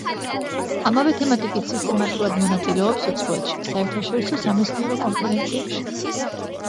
ამავე თემატიკით სისტემატურად მონაწილეობს უცხოეთში საერთაშორისო სამეცნიერო კონფერენციებში.